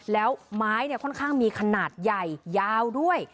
แล้วไม้ค่อนข้างมีขนาดใหญ่ยาวด้วย